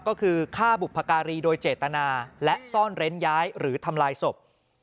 ก็คือฆ่าบุพการีโดยเจตนาและซ่อนเร้นย้ายหรือทำลายศพ